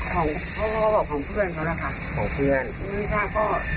ของพ่อเขาบอกของเพื่อนเขานะค่ะ